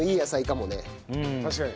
確かに。